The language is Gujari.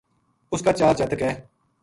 اس کا چار جاتک بے